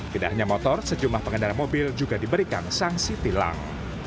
tidak hanya motor sejumlah pengendara mobil juga diberikan sanksi tilang